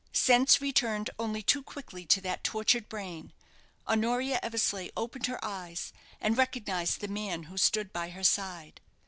Sense returned only too quickly to that tortured brain. Honoria Eversleigh opened her eyes, and recognized the man who stood by her side.